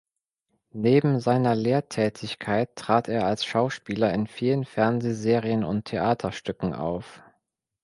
Neben seiner Lehrtätigkeit trat er als Schauspieler in vielen Fernsehserien und Theaterstücken auf.